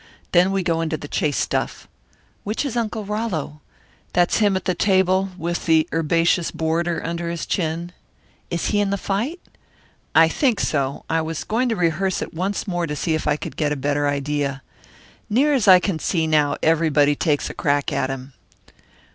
Then we go into the chase stuff." "Which is Uncle Rollo?" "That's him at the table, with the herbaceous border under his chin." "Is he in the fight?" "I think so. I was going to rehearse it once more to see if I could get a better idea. Near as I can see now, everybody takes a crack at him."